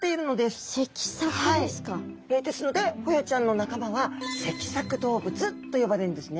ですのでホヤちゃんの仲間は脊索動物と呼ばれるんですね。